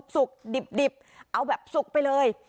สุกดิบเอาแบบสุกไปเลย